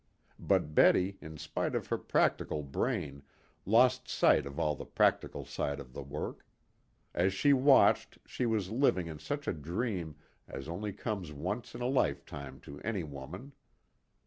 But Betty, in spite of her practical brain, lost sight of all the practical side of the work. As she watched she was living in such a dream as only comes once in a lifetime to any woman.